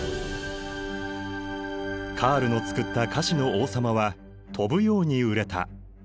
カールの作った菓子の王様は飛ぶように売れた。